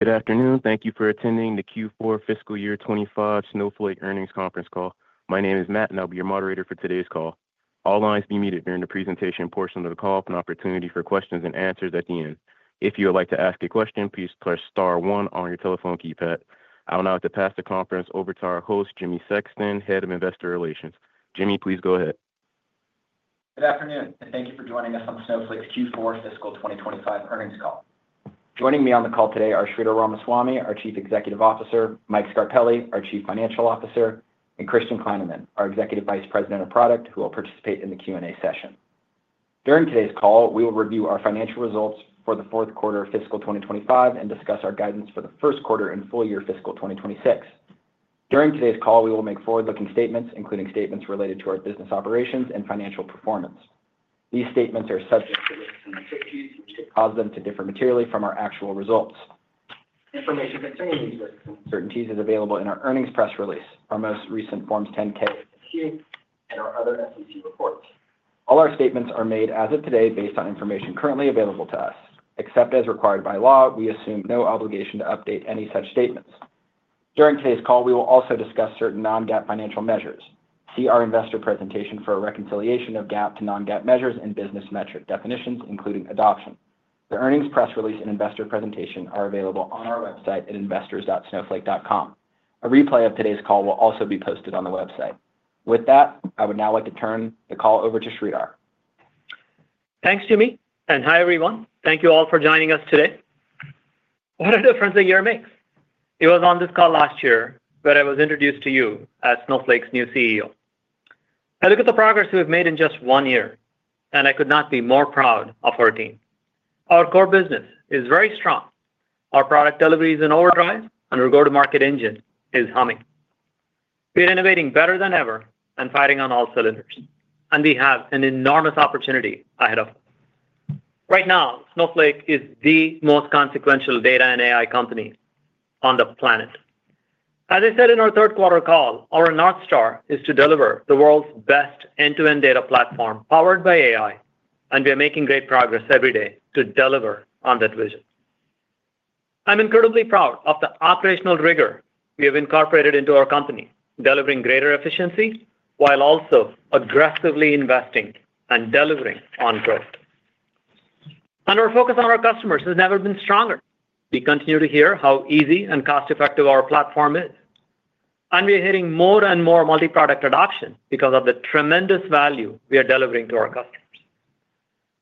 Good afternoon. Thank you for attending the Q4 FY25 Snowflake earnings conference call. My name is Matt, and I'll be your moderator for today's call. All lines will be muted during the presentation portion of the call for an opportunity for questions and answers at the end. If you would like to ask a question, please press star one on your telephone keypad. I will now turn the conference over to our host, Jimmy Sexton, Head of Investor Relations. Jimmy, please go ahead. Good afternoon, and thank you for joining us on Snowflake's Q4 FY25 Earnings call. Joining me on the call today are Sridhar Ramaswamy, our Chief Executive Officer, Mike Scarpelli, our Chief Financial Officer, and Christian Kleinerman, our Executive Vice President of Product, who will participate in the Q&A session. During today's call, we will review our financial results for the fourth quarter of fiscal 2025 and discuss our guidance for the first quarter and full year fiscal 2026. During today's call, we will make forward-looking statements, including statements related to our business operations and financial performance. These statements are subject to risks and uncertainties, which could cause them to differ materially from our actual results. Information concerning these risks and uncertainties is available in our earnings press release, our most recent Forms 10-K, and our other SEC reports. All our statements are made, as of today, based on information currently available to us. Except as required by law, we assume no obligation to update any such statements. During today's call, we will also discuss certain non-GAAP financial measures. See our investor presentation for a reconciliation of GAAP to non-GAAP measures and business metric definitions, including adoption. The earnings press release and investor presentation are available on our website at investors.snowflake.com. A replay of today's call will also be posted on the website. With that, I would now like to turn the call over to Sridhar. Thanks, Jimmy, and hi, everyone. Thank you all for joining us today. What a difference a year makes. It was on this call last year that I was introduced to you as Snowflake's new CEO. I look at the progress we've made in just one year, and I could not be more proud of our team. Our core business is very strong. Our product deliveries and overdrives and our go-to-market engine is humming. We are innovating better than ever and firing on all cylinders, and we have an enormous opportunity ahead of us. Right now, Snowflake is the most consequential data and AI company on the planet. As I said in our third quarter call, our North Star is to deliver the world's best end-to-end data platform powered by AI, and we are making great progress every day to deliver on that vision. I'm incredibly proud of the operational rigor we have incorporated into our company, delivering greater efficiency while also aggressively investing and delivering on growth, and our focus on our customers has never been stronger. We continue to hear how easy and cost-effective our platform is, and we are hearing more and more multi-product adoption because of the tremendous value we are delivering to our customers.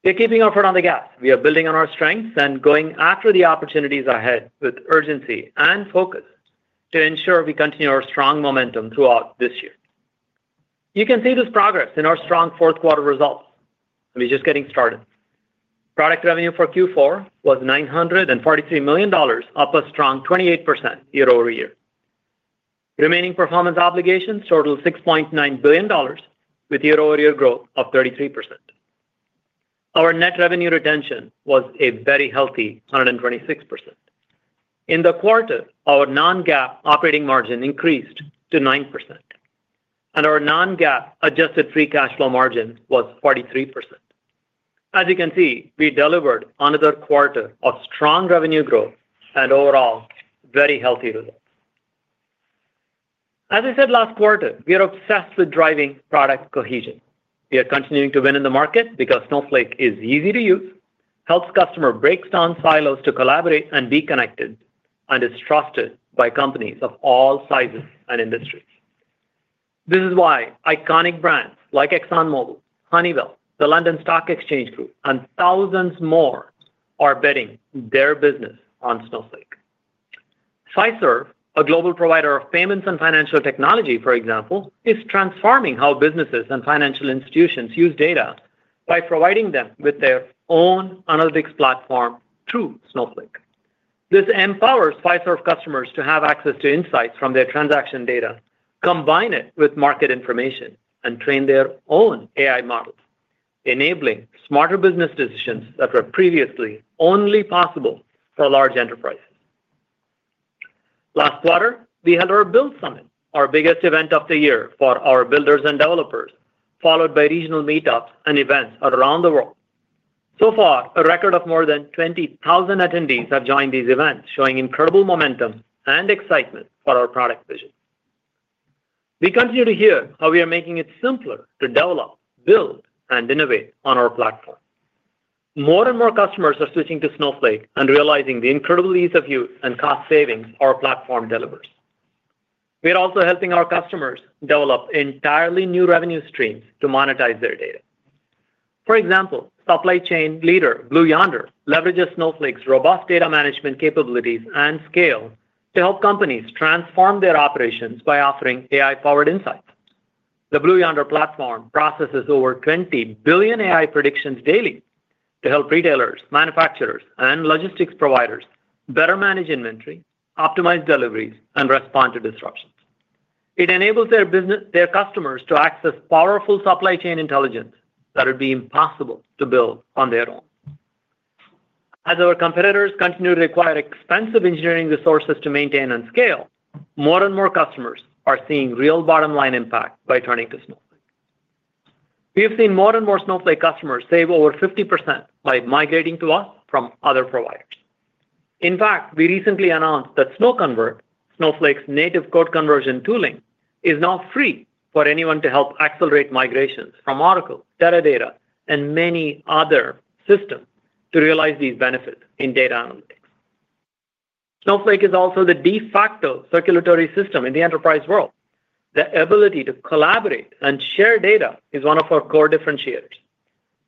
We are keeping our foot on the gas. We are building on our strengths and going after the opportunities ahead with urgency and focus to ensure we continue our strong momentum throughout this year. You can see this progress in our strong fourth quarter results. We're just getting started. Product revenue for Q4 was $943 million, up a strong 28% year-over-year. Remaining performance obligations total $6.9 billion, with year-over-year growth of 33%. Our net revenue retention was a very healthy 126%. In the quarter, our non-GAAP operating margin increased to 9%, and our non-GAAP adjusted free cash flow margin was 43%. As you can see, we delivered another quarter of strong revenue growth and overall very healthy results. As I said last quarter, we are obsessed with driving product cohesion. We are continuing to win in the market because Snowflake is easy to use, helps customers break down silos to collaborate and be connected, and is trusted by companies of all sizes and industries. This is why iconic brands like ExxonMobil, Honeywell, the London Stock Exchange Group, and thousands more are betting their business on Snowflake. Fiserv, a global provider of payments and financial technology, for example, is transforming how businesses and financial institutions use data by providing them with their own analytics platform through Snowflake. This empowers Fiserv customers to have access to insights from their transaction data, combine it with market information, and train their own AI models, enabling smarter business decisions that were previously only possible for large enterprises. Last quarter, we held our Build Summit, our biggest event of the year for our builders and developers, followed by regional meetups and events around the world. So far, a record of more than 20,000 attendees have joined these events, showing incredible momentum and excitement for our product vision. We continue to hear how we are making it simpler to develop, build, and innovate on our platform. More and more customers are switching to Snowflake and realizing the incredible ease of use and cost savings our platform delivers. We are also helping our customers develop entirely new revenue streams to monetize their data. For example, supply chain leader Blue Yonder leverages Snowflake's robust data management capabilities and scale to help companies transform their operations by offering AI-powered insights. The Blue Yonder platform processes over 20 billion AI predictions daily to help retailers, manufacturers, and logistics providers better manage inventory, optimize deliveries, and respond to disruptions. It enables their customers to access powerful supply chain intelligence that would be impossible to build on their own. As our competitors continue to require expensive engineering resources to maintain and scale, more and more customers are seeing real bottom-line impact by turning to Snowflake. We have seen more and more Snowflake customers save over 50% by migrating to us from other providers. In fact, we recently announced that SnowConvert, Snowflake's native code conversion tooling, is now free for anyone to help accelerate migrations from Oracle, Teradata, and many other systems to realize these benefits in data analytics. Snowflake is also the de facto circulatory system in the enterprise world. The ability to collaborate and share data is one of our core differentiators.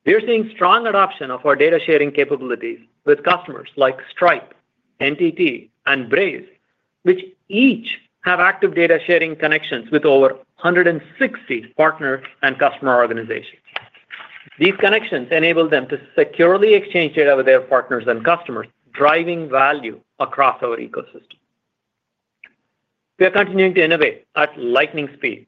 We are seeing strong adoption of our data sharing capabilities with customers like Stripe, NTT, and Braze, which each have active data sharing connections with over 160 partner and customer organizations. These connections enable them to securely exchange data with their partners and customers, driving value across our ecosystem. We are continuing to innovate at lightning speed.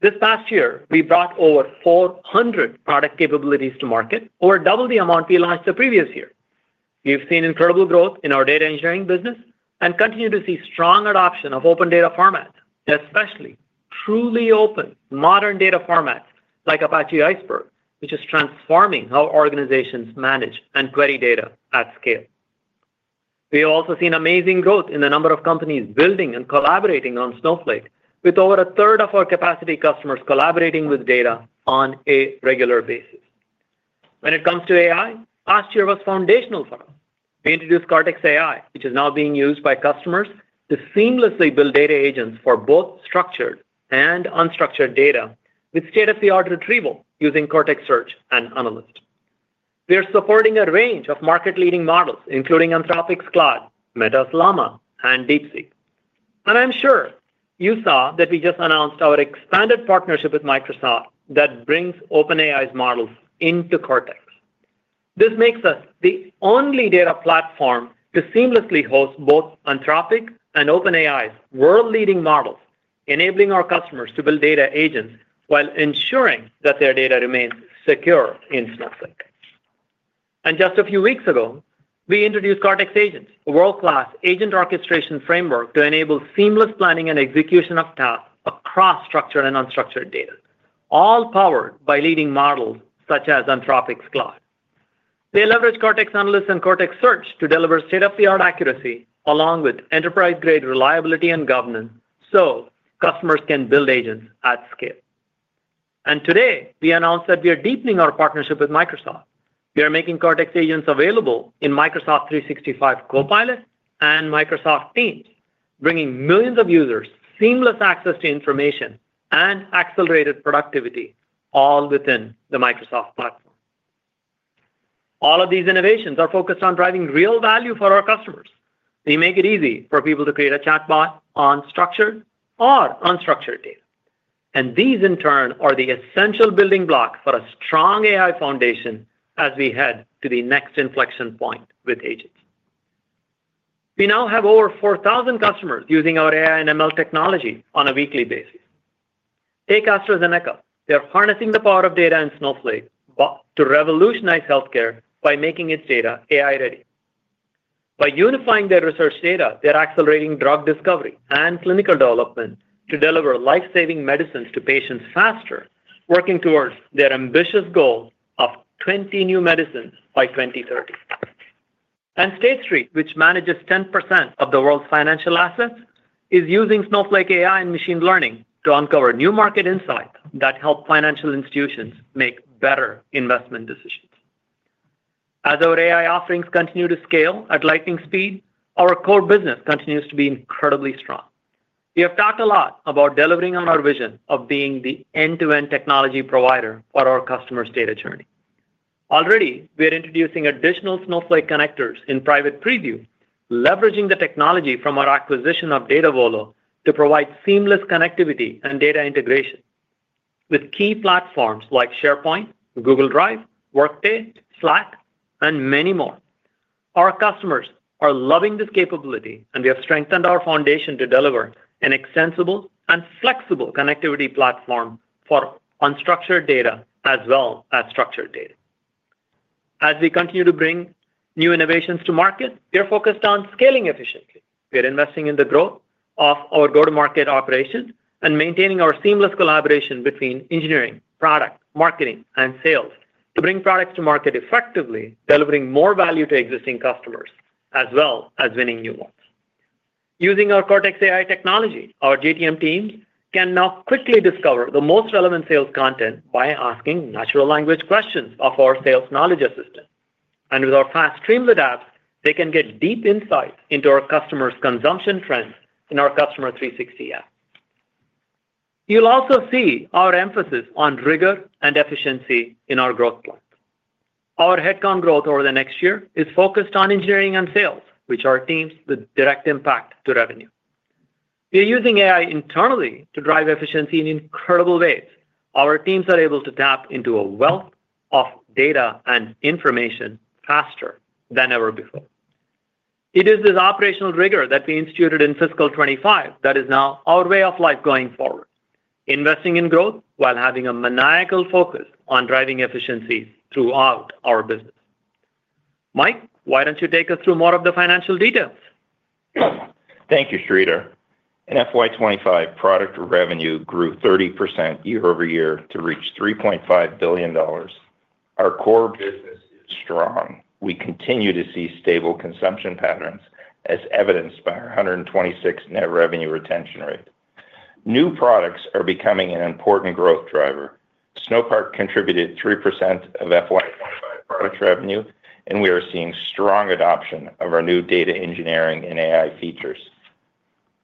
This past year, we brought over 400 product capabilities to market, over double the amount we launched the previous year. We have seen incredible growth in our data engineering business and continue to see strong adoption of open data formats, especially truly open, modern data formats like Apache Iceberg, which is transforming how organizations manage and query data at scale. We have also seen amazing growth in the number of companies building and collaborating on Snowflake, with over a third of our capacity customers collaborating with data on a regular basis. When it comes to AI, last year was foundational for us. We introduced Cortex AI, which is now being used by customers to seamlessly build data agents for both structured and unstructured data with state-of-the-art retrieval using Cortex Search and Analyst. We are supporting a range of market-leading models, including Anthropic's Claude, Meta's Llama, and DeepSeek. And I'm sure you saw that we just announced our expanded partnership with Microsoft that brings OpenAI's models into Cortex. This makes us the only data platform to seamlessly host both Anthropic and OpenAI's world-leading models, enabling our customers to build data agents while ensuring that their data remains secure in Snowflake. And just a few weeks ago, we introduced Cortex Agents, a world-class agent orchestration framework to enable seamless planning and execution of tasks across structured and unstructured data, all powered by leading models such as Anthropic's Claude. They leverage Cortex Analysts and Cortex Search to deliver state-of-the-art accuracy along with enterprise-grade reliability and governance so customers can build agents at scale. And today, we announced that we are deepening our partnership with Microsoft. We are making Cortex Agents available in Microsoft 365 Copilot and Microsoft Teams, bringing millions of users seamless access to information and accelerated productivity, all within the Microsoft platform. All of these innovations are focused on driving real value for our customers. We make it easy for people to create a chatbot on structured or unstructured data. These, in turn, are the essential building block for a strong AI foundation as we head to the next inflection point with agents. We now have over 4,000 customers using our AI and ML technology on a weekly basis. AstraZeneca, they're harnessing the power of data in Snowflake to revolutionize healthcare by making its data AI-ready. By unifying their research data, they're accelerating drug discovery and clinical development to deliver life-saving medicines to patients faster, working towards their ambitious goal of 20 new medicines by 2030. And State Street, which manages 10% of the world's financial assets, is using Snowflake AI and machine learning to uncover new market insights that help financial institutions make better investment decisions. As our AI offerings continue to scale at lightning speed, our core business continues to be incredibly strong. We have talked a lot about delivering on our vision of being the end-to-end technology provider for our customers' data journey. Already, we are introducing additional Snowflake connectors in private preview, leveraging the technology from our acquisition of Datavolo to provide seamless connectivity and data integration with key platforms like SharePoint, Google Drive, Workday, Slack, and many more. Our customers are loving this capability, and we have strengthened our foundation to deliver an extensible and flexible connectivity platform for unstructured data as well as structured data. As we continue to bring new innovations to market, we are focused on scaling efficiently. We are investing in the growth of our go-to-market operations and maintaining our seamless collaboration between engineering, product, marketing, and sales to bring products to market effectively, delivering more value to existing customers as well as winning new ones. Using our Cortex AI technology, our GTM teams can now quickly discover the most relevant sales content by asking natural language questions of our sales knowledge assistant. And with our fast Streamlit apps, they can get deep insight into our customers' consumption trends in our Customer 360 app. You'll also see our emphasis on rigor and efficiency in our growth plans. Our headcount growth over the next year is focused on engineering and sales, which are teams with direct impact to revenue. We are using AI internally to drive efficiency in incredible ways. Our teams are able to tap into a wealth of data and information faster than ever before. It is this operational rigor that we instituted in fiscal 2025 that is now our way of life going forward, investing in growth while having a maniacal focus on driving efficiency throughout our business. Mike, why don't you take us through more of the financial details? Thank you, Sridhar. In FY25, product revenue grew 30% year-over-year to reach $3.5 billion. Our core business is strong. We continue to see stable consumption patterns, as evidenced by our 126% net revenue retention rate. New products are becoming an important growth driver. Snowpark contributed 3% of FY25 product revenue, and we are seeing strong adoption of our new data engineering and AI features.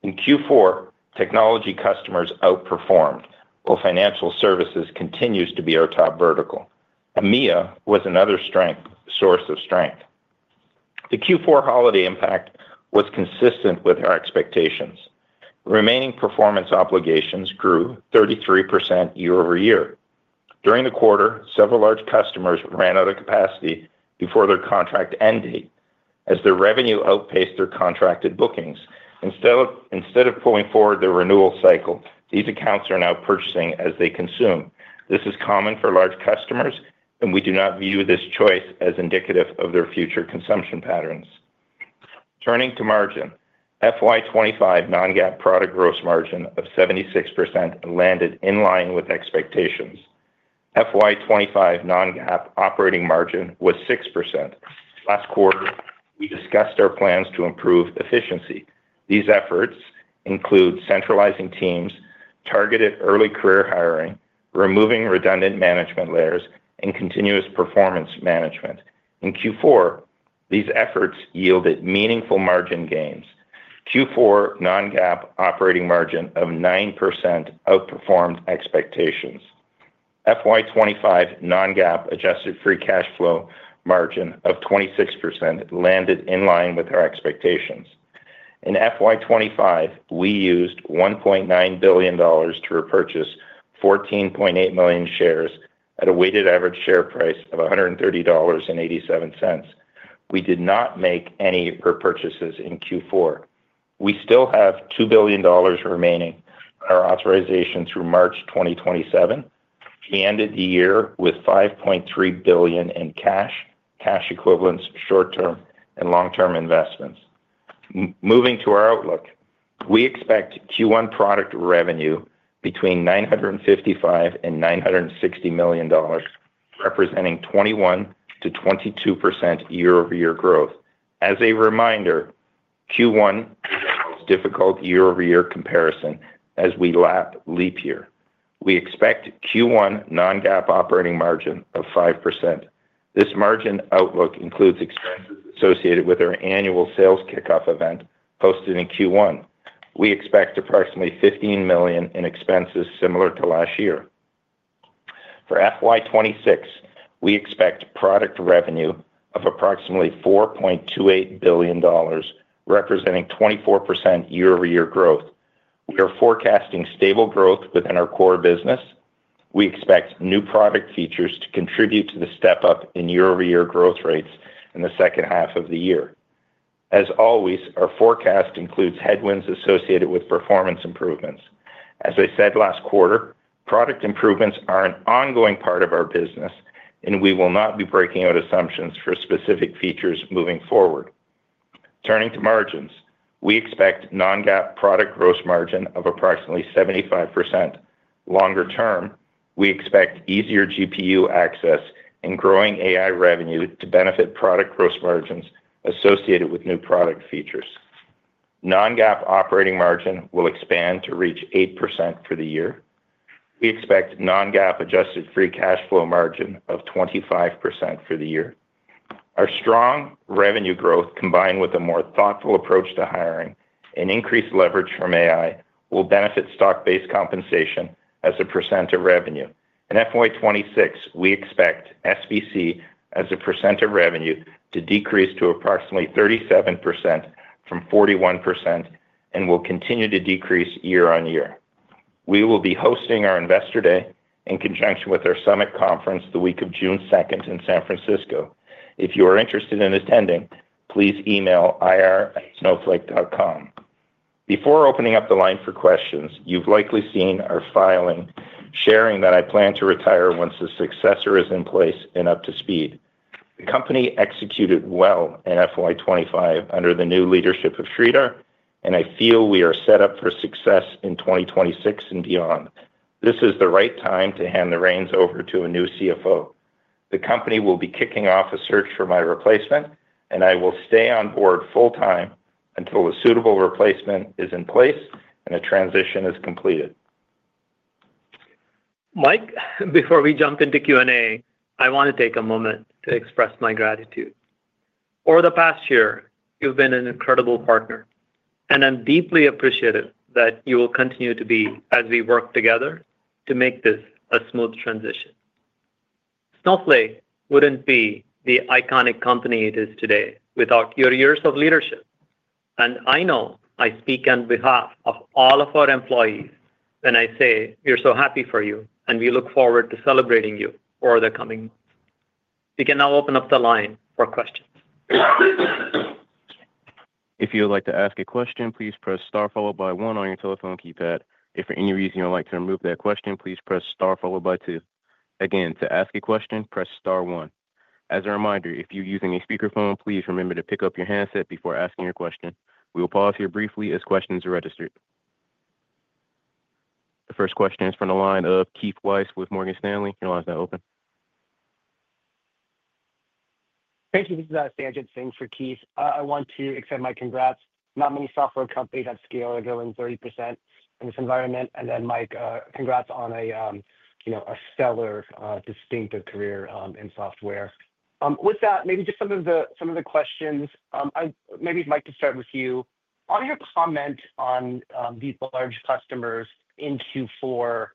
In Q4, technology customers outperformed, while financial services continues to be our top vertical. EMEA was another source of strength. The Q4 holiday impact was consistent with our expectations. Remaining performance obligations grew 33% year-over-year. During the quarter, several large customers ran out of capacity before their contract end date as their revenue outpaced their contracted bookings. Instead of pulling forward their renewal cycle, these accounts are now purchasing as they consume. This is common for large customers, and we do not view this choice as indicative of their future consumption patterns. Turning to margin, FY25 non-GAAP product gross margin of 76% landed in line with expectations. FY25 non-GAAP operating margin was 6%. Last quarter, we discussed our plans to improve efficiency. These efforts include centralizing teams, targeted early career hiring, removing redundant management layers, and continuous performance management. In Q4, these efforts yielded meaningful margin gains. Q4 non-GAAP operating margin of 9% outperformed expectations. FY25 non-GAAP adjusted free cash flow margin of 26% landed in line with our expectations. In FY25, we used $1.9 billion to repurchase 14.8 million shares at a weighted average share price of $130.87. We did not make any repurchases in Q4. We still have $2 billion remaining. share repurchase authorization through March 2027. We ended the year with $5.3 billion in cash, cash equivalents, short-term and long-term investments. Moving to our outlook, we expect Q1 product revenue between $955-$960 million, representing 21%-22% year-over-year growth. As a reminder, Q1 is a difficult year-over-year comparison as it's a leap year. We expect Q1 non-GAAP operating margin of 5%. This margin outlook includes expenses associated with our annual sales kickoff event hosted in Q1. We expect approximately $15 million in expenses similar to last year. For FY 2026, we expect product revenue of approximately $4.28 billion, representing 24% year-over-year growth. We are forecasting stable growth within our core business. We expect new product features to contribute to the step-up in year-over-year growth rates in the second half of the year. As always, our forecast includes headwinds associated with performance improvements. As I said last quarter, product improvements are an ongoing part of our business, and we will not be breaking out assumptions for specific features moving forward. Turning to margins, we expect non-GAAP product gross margin of approximately 75%. Longer term, we expect easier GPU access and growing AI revenue to benefit product gross margins associated with new product features. Non-GAAP operating margin will expand to reach 8% for the year. We expect non-GAAP adjusted free cash flow margin of 25% for the year. Our strong revenue growth, combined with a more thoughtful approach to hiring and increased leverage from AI, will benefit stock-based compensation as a percent of revenue. In FY 2026, we expect SBC as a percent of revenue to decrease to approximately 37% from 41% and will continue to decrease year on year. We will be hosting our Investor Day in conjunction with our summit conference the week of June 2nd in San Francisco. If you are interested in attending, please email ir@snowflake.com. Before opening up the line for questions, you've likely seen our filing sharing that I plan to retire once the successor is in place and up to speed. The company executed well in FY25 under the new leadership of Sridhar, and I feel we are set up for success in 2026 and beyond. This is the right time to hand the reins over to a new CFO. The company will be kicking off a search for my replacement, and I will stay on board full-time until a suitable replacement is in place and a transition is completed. Mike, before we jump into Q&A, I want to take a moment to express my gratitude. Over the past year, you've been an incredible partner, and I'm deeply appreciative that you will continue to be as we work together to make this a smooth transition. Snowflake wouldn't be the iconic company it is today without your years of leadership. And I know I speak on behalf of all of our employees when I say we are so happy for you, and we look forward to celebrating you over the coming months. We can now open up the line for questions. If you would like to ask a question, please press Star followed by 1 on your telephone keypad. If for any reason you would like to remove that question, please press Star followed by 2. Again, to ask a question, press Star 1. As a reminder, if you're using a speakerphone, please remember to pick up your handset before asking your question. We will pause here briefly as questions are registered. The first question is from the line of Keith Weiss with Morgan Stanley. Your line is now open. Thank you. This is Sanjit Singh for Keith. I want to extend my congrats. Not many software companies have scaled or grown 30% in this environment, and then, Mike, congrats on a stellar, distinctive career in software. With that, maybe just some of the questions. Maybe, Mike, to start with you, on your comment on these large customers in Q4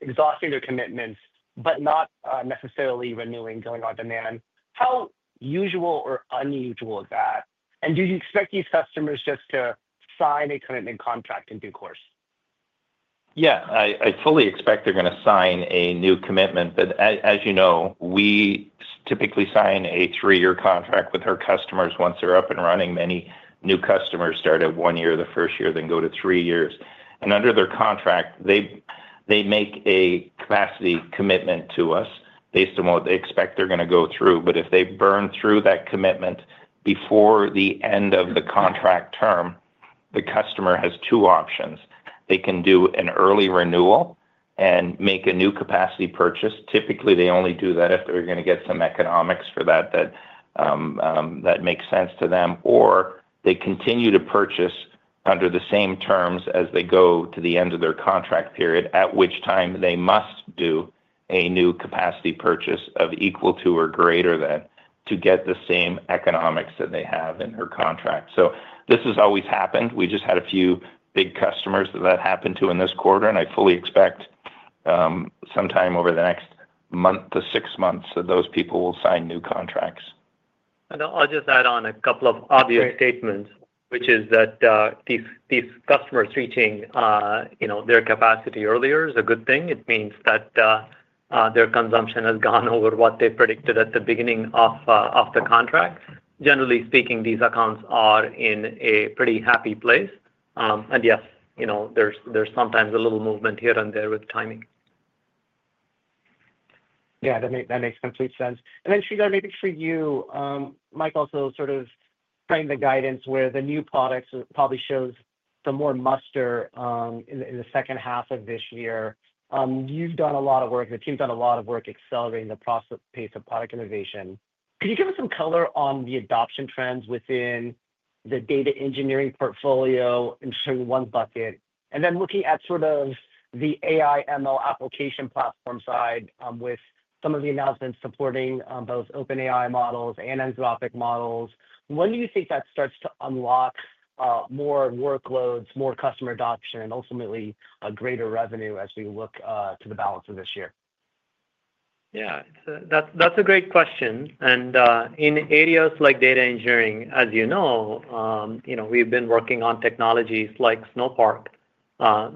exhausting their commitments but not necessarily renewing going on demand, how usual or unusual is that? And do you expect these customers just to sign a commitment contract and do so? Yeah, I fully expect they're going to sign a new commitment, but as you know, we typically sign a three-year contract with our customers once they're up and running. Many new customers start at one year, the first year, then go to three years. And under their contract, they make a capacity commitment to us based on what they expect they're going to go through. But if they burn through that commitment before the end of the contract term, the customer has two options. They can do an early renewal and make a new capacity purchase. Typically, they only do that if they're going to get some economics for that that makes sense to them. Or they continue to purchase under the same terms as they go to the end of their contract period, at which time they must do a new capacity purchase of equal to or greater than to get the same economics that they have in their contract. So this has always happened. We just had a few big customers that happened to in this quarter, and I fully expect sometime over the next month to six months that those people will sign new contracts. And I'll just add on a couple of obvious statements, which is that these customers reaching their capacity earlier is a good thing. It means that their consumption has gone over what they predicted at the beginning of the contract. Generally speaking, these accounts are in a pretty happy place. And yes, there's sometimes a little movement here and there with timing. Yeah, that makes complete sense. And then, Sridhar, maybe for you, Mike also sort of framed the guidance where the new products probably show some more muscle in the second half of this year. You've done a lot of work. The team's done a lot of work accelerating the pace of product innovation. Can you give us some color on the adoption trends within the data engineering portfolio in terms of one bucket? And then looking at sort of the AI/ML application platform side with some of the announcements supporting both OpenAI models and Anthropic models, when do you think that starts to unlock more workloads, more customer adoption, and ultimately greater revenue as we look to the balance of this year? Yeah, that's a great question. And in areas like data engineering, as you know, we've been working on technologies like Snowpark,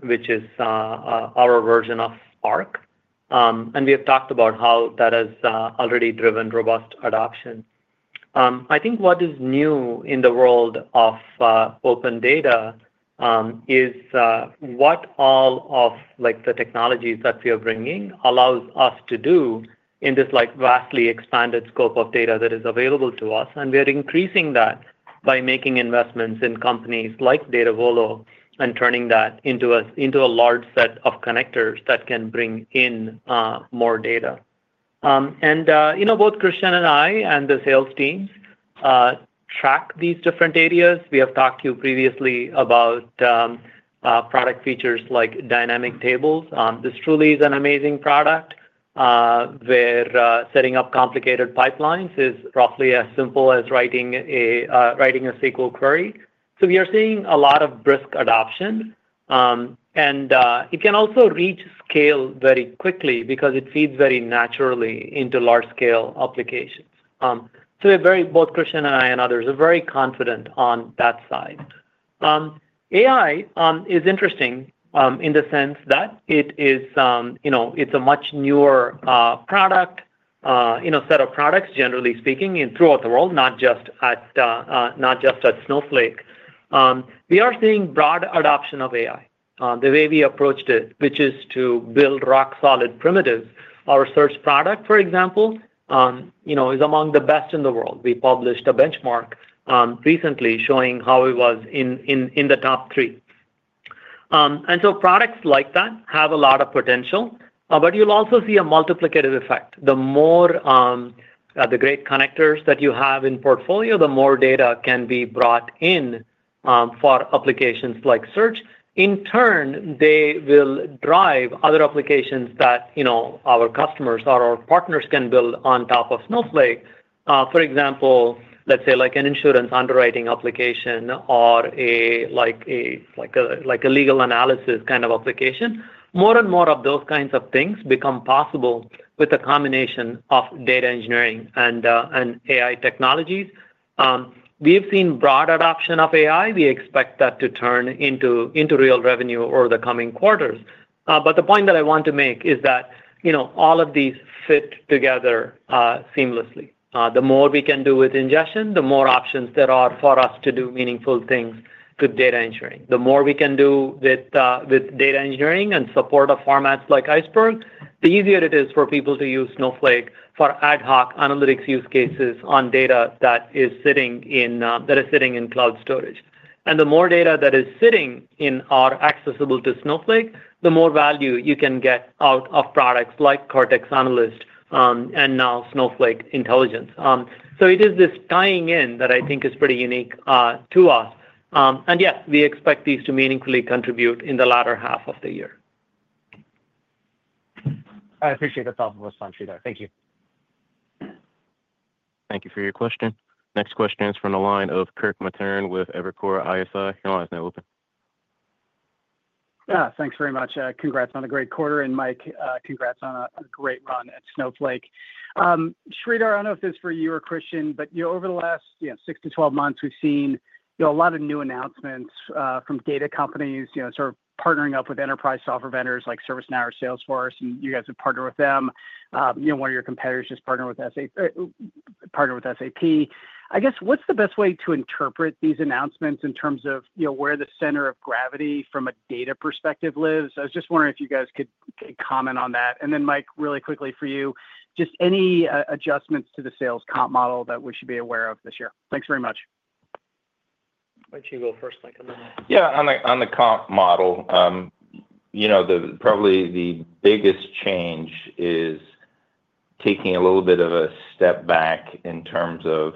which is our version of Spark. And we have talked about how that has already driven robust adoption. I think what is new in the world of open data is what all of the technologies that we are bringing allows us to do in this vastly expanded scope of data that is available to us. We are increasing that by making investments in companies like Datavolo and turning that into a large set of connectors that can bring in more data, and both Christian and I and the sales teams track these different areas. We have talked to you previously about product features like dynamic tables. This truly is an amazing product where setting up complicated pipelines is roughly as simple as writing a SQL query, so we are seeing a lot of brisk adoption, and it can also reach scale very quickly because it feeds very naturally into large-scale applications, so both Christian and I and others are very confident on that side. AI is interesting in the sense that it's a much newer set of products, generally speaking, throughout the world, not just at Snowflake. We are seeing broad adoption of AI. The way we approached it, which is to build rock-solid primitives, our search product, for example, is among the best in the world. We published a benchmark recently showing how it was in the top three, and so products like that have a lot of potential, but you'll also see a multiplicative effect. The great connectors that you have in portfolio, the more data can be brought in for applications like search. In turn, they will drive other applications that our customers or our partners can build on top of Snowflake. For example, let's say an insurance underwriting application or a legal analysis kind of application. More and more of those kinds of things become possible with a combination of data engineering and AI technologies. We have seen broad adoption of AI. We expect that to turn into real revenue over the coming quarters. But the point that I want to make is that all of these fit together seamlessly. The more we can do with ingestion, the more options there are for us to do meaningful things with data engineering. The more we can do with data engineering and support of formats like Iceberg, the easier it is for people to use Snowflake for ad hoc analytics use cases on data that is sitting in cloud storage. And the more data that is sitting in or accessible to Snowflake, the more value you can get out of products like Cortex Analyst and now Snowflake Intelligence. So it is this tying in that I think is pretty unique to us. And yeah, we expect these to meaningfully contribute in the latter half of the year. I appreciate that thoughtful response, Sridhar. Thank you. Thank you for your question. Next question is from the line of Kirk Materne with Evercore ISI. Your line is now open. Yeah, thanks very much. Congrats on a great quarter. And Mike, congrats on a great run at Snowflake. Sridhar, I don't know if this is for you or Christian, but over the last six to 12 months, we've seen a lot of new announcements from data companies sort of partnering up with enterprise software vendors like ServiceNow or Salesforce, and you guys have partnered with them. One of your competitors just partnered with SAP. I guess, what's the best way to interpret these announcements in terms of where the center of gravity from a data perspective lives? I was just wondering if you guys could comment on that. And then, Mike, really quickly for you, just any adjustments to the sales comp model that we should be aware of this year? Thanks very much. Why don't you go first, Mike? Yeah, on the comp model, probably the biggest change is taking a little bit of a step back in terms of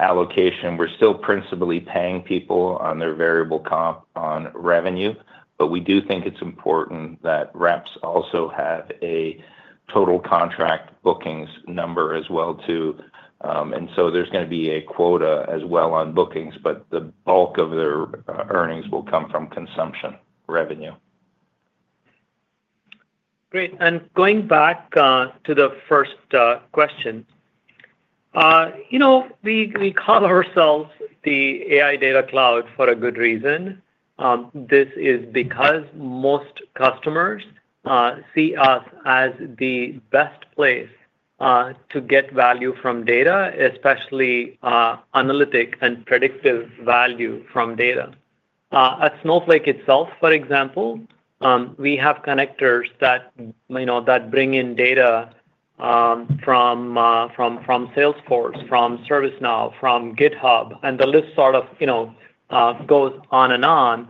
allocation. We're still principally paying people on their variable comp on revenue, but we do think it's important that reps also have a total contract bookings number as well too. And so there's going to be a quota as well on bookings, but the bulk of their earnings will come from consumption revenue. Great. And going back to the first question, we call ourselves the AI Data Cloud for a good reason. This is because most customers see us as the best place to get value from data, especially analytic and predictive value from data. At Snowflake itself, for example, we have connectors that bring in data from Salesforce, from ServiceNow, from GitHub, and the list sort of goes on and on,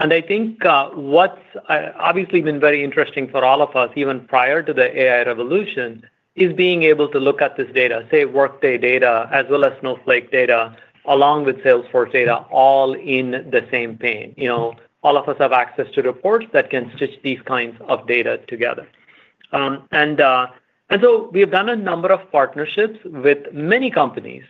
and I think what's obviously been very interesting for all of us, even prior to the AI revolution, is being able to look at this data, say, Workday data as well as Snowflake data along with Salesforce data, all in the same pane. All of us have access to reports that can stitch these kinds of data together, and so we have done a number of partnerships with many companies.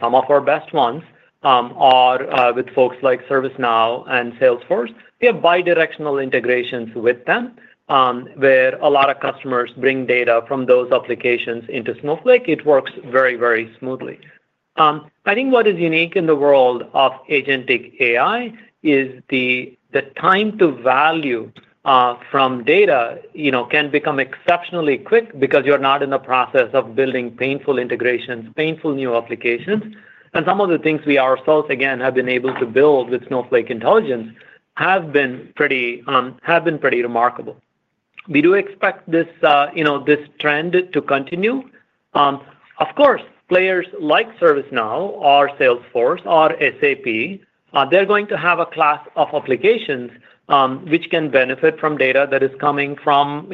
Some of our best ones are with folks like ServiceNow and Salesforce. We have bidirectional integrations with them where a lot of customers bring data from those applications into Snowflake. It works very, very smoothly. I think what is unique in the world of agentic AI is the time to value from data can become exceptionally quick because you're not in the process of building painful integrations, painful new applications. And some of the things we ourselves, again, have been able to build with Snowflake Intelligence have been pretty remarkable. We do expect this trend to continue. Of course, players like ServiceNow or Salesforce or SAP, they're going to have a class of applications which can benefit from data that is coming from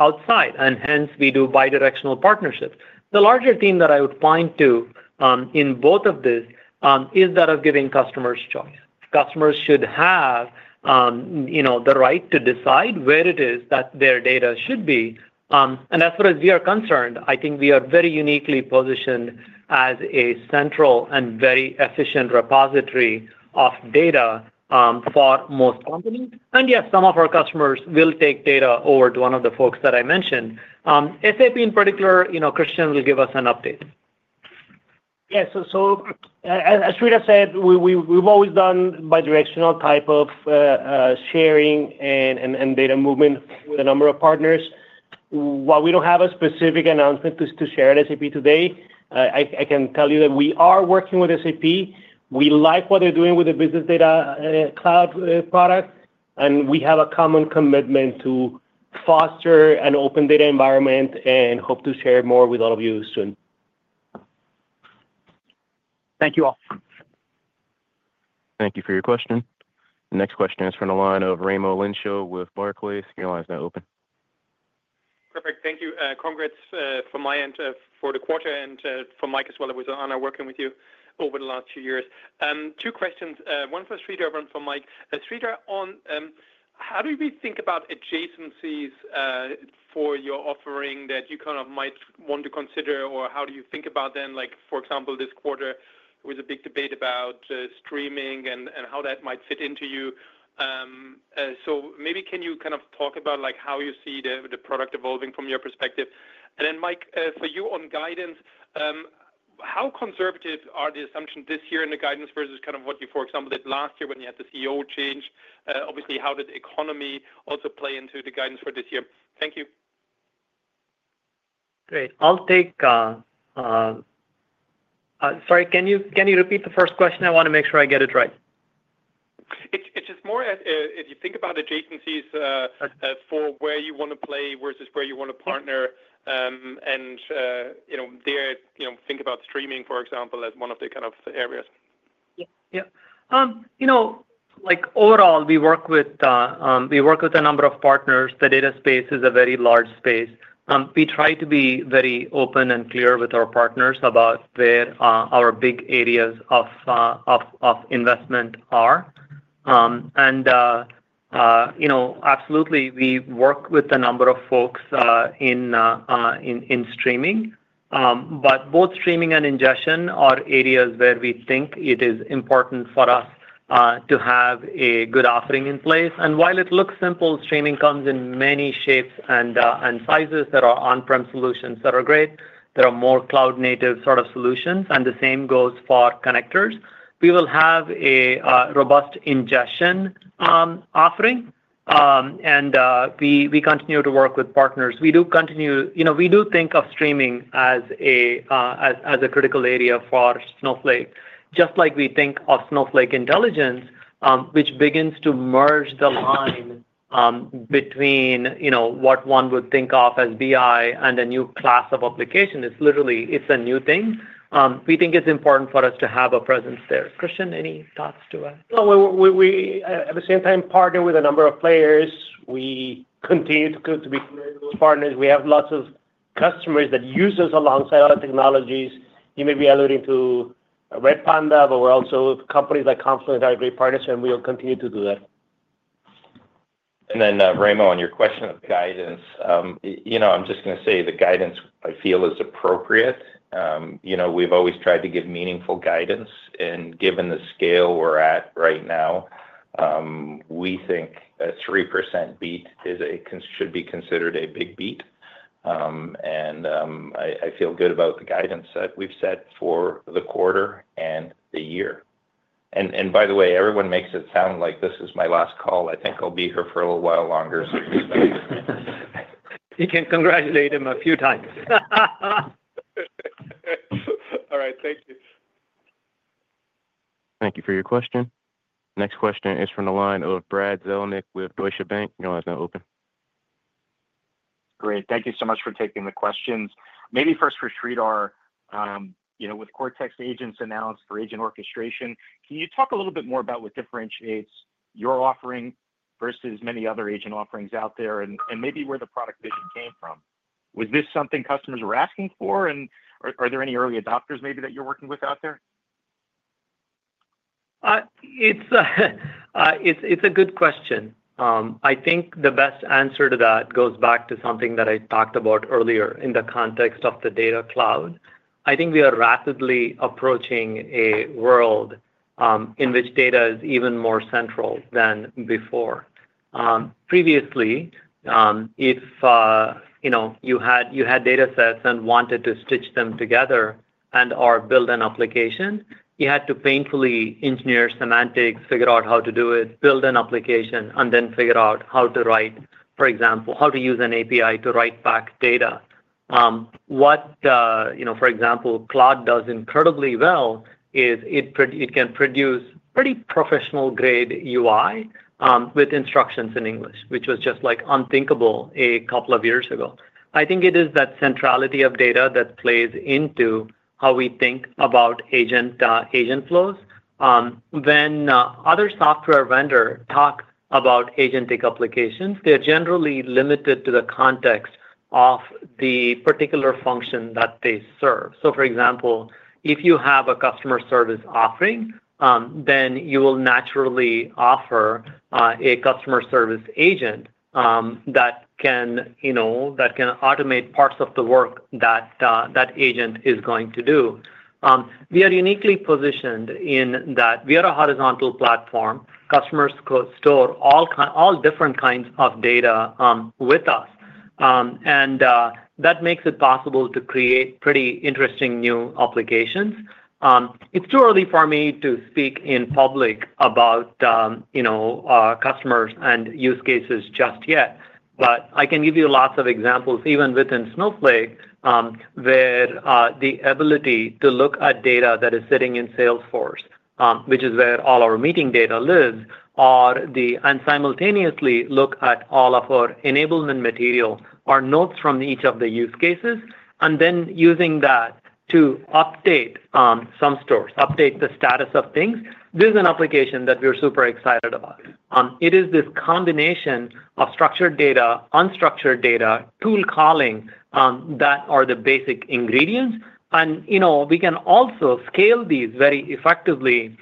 outside. And hence, we do bidirectional partnerships. The larger theme that I would point to in both of this is that of giving customers choice. Customers should have the right to decide where it is that their data should be. And as far as we are concerned, I think we are very uniquely positioned as a central and very efficient repository of data for most companies. And yes, some of our customers will take data over to one of the folks that I mentioned. SAP, in particular, Christian will give us an update. Yeah, so as Sridhar said, we've always done bidirectional type of sharing and data movement with a number of partners. While we don't have a specific announcement to share at SAP today, I can tell you that we are working with SAP. We like what they're doing with the SAP Business Data Cloud product, and we have a common commitment to foster an open data environment and hope to share more with all of you soon. Thank you all. Thank you for your question. Next question is from the line of Raimo Lenschow with Barclays. Your line is now open. Perfect. Thank you. Congrats from my end for the quarter and for Mike as well. It was an honor working with you over the last few years. Two questions. One for Sridhar and one for Mike. Sridhar, how do you think about adjacencies for your offering that you kind of might want to consider, or how do you think about them? For example, this quarter, there was a big debate about streaming and how that might fit into you. So maybe can you kind of talk about how you see the product evolving from your perspective? And then, Mike, for you on guidance, how conservative are the assumptions this year in the guidance versus kind of what you, for example, did last year when you had the CEO change? Obviously, how did the economy also play into the guidance for this year? Thank you. Great. I'll take... sorry, can you repeat the first question? I want to make sure I get it right. It's just more if you think about adjacencies for where you want to play versus where you want to partner and there, think about streaming, for example, as one of the kind of areas. Yeah. Overall, we work with a number of partners. The data space is a very large space. We try to be very open and clear with our partners about where our big areas of investment are. Absolutely, we work with a number of folks in streaming. But both streaming and ingestion are areas where we think it is important for us to have a good offering in place. While it looks simple, streaming comes in many shapes and sizes that are on-prem solutions that are great. There are more cloud-native sort of solutions, and the same goes for connectors. We will have a robust ingestion offering, and we continue to work with partners. We continue to think of streaming as a critical area for Snowflake, just like we think of Snowflake Intelligence, which begins to merge the line between what one would think of as BI and a new class of application. It's literally a new thing. We think it's important for us to have a presence there. Christian, any thoughts to add? At the same time, partner with a number of players. We continue to be partners. We have lots of customers that use us alongside other technologies. You may be alluding to Redpanda, but we're also companies like Confluent are great partners, and we'll continue to do that. And then, Raimo, on your question of guidance, I'm just going to say the guidance I feel is appropriate. We've always tried to give meaningful guidance. And given the scale we're at right now, we think a 3% beat should be considered a big beat. And I feel good about the guidance that we've set for the quarter and the year. And by the way, everyone makes it sound like this is my last call. I think I'll be here for a little while longer, so please don't get me. You can congratulate him a few times. All right. Thank you. Thank you for your question. Next question is from the line of Brad Zelnick with Deutsche Bank. Your line is now open? Great. Thank you so much for taking the questions. Maybe first for Sridhar, with Cortex Agents announced for agent orchestration, can you talk a little bit more about what differentiates your offering versus many other agent offerings out there and maybe where the product vision came from? Was this something customers were asking for, and are there any early adopters maybe that you're working with out there? It's a good question. I think the best answer to that goes back to something that I talked about earlier in the context of the data cloud. I think we are rapidly approaching a world in which data is even more central than before. Previously, if you had data sets and wanted to stitch them together and/or build an application, you had to painfully engineer semantics, figure out how to do it, build an application, and then figure out how to write, for example, how to use an API to write back data. What, for example, Claude does incredibly well is it can produce pretty professional-grade UI with instructions in English, which was just unthinkable a couple of years ago. I think it is that centrality of data that plays into how we think about agent flows. When other software vendors talk about agentic applications, they're generally limited to the context of the particular function that they serve. So, for example, if you have a customer service offering, then you will naturally offer a customer service agent that can automate parts of the work that agent is going to do. We are uniquely positioned in that we are a horizontal platform. Customers store all different kinds of data with us. And that makes it possible to create pretty interesting new applications. It's too early for me to speak in public about customers and use cases just yet, but I can give you lots of examples, even within Snowflake, where the ability to look at data that is sitting in Salesforce, which is where all our meeting data lives, and simultaneously look at all of our enablement material or notes from each of the use cases, and then using that to update some stores, update the status of things. There's an application that we're super excited about. It is this combination of structured data, unstructured data, tool calling that are the basic ingredients. And we can also scale these very effectively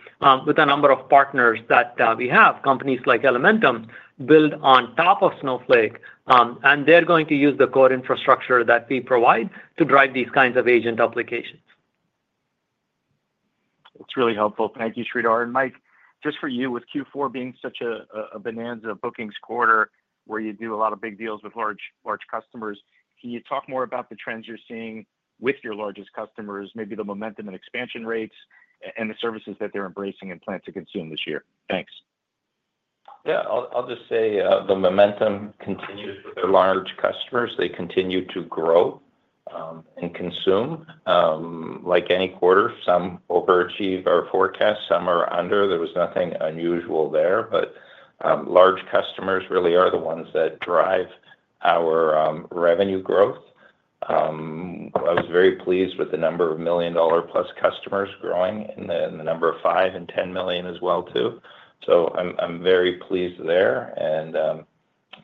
with a number of partners that we have, companies like Elementum, built on top of Snowflake. And they're going to use the core infrastructure that we provide to drive these kinds of agent applications. That's really helpful. Thank you, Sridhar. And Mike, just for you, with Q4 being such a bonanza bookings quarter where you do a lot of big deals with large customers, can you talk more about the trends you're seeing with your largest customers, maybe the momentum and expansion rates, and the services that they're embracing and plan to consume this year? Thanks. Yeah. I'll just say the momentum continues with our large customers. They continue to grow and consume. Like any quarter, some overachieve our forecast, some are under. There was nothing unusual there, but large customers really are the ones that drive our revenue growth. I was very pleased with the number of million-dollar-plus customers growing and the number of $5 and $10 million as well too. So I'm very pleased there. And